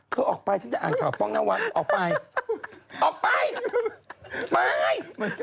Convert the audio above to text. เธอออกไปฉันจะอ่านข่าวป้องนวัดออกไปออกไปไป